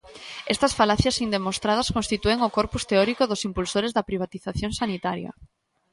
Estas falacias indemostradas constitúen o corpus teórico dos impulsores da privatización sanitaria.